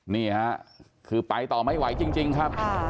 นี่ฮะคือไปต่อไม่ไหวจริงครับ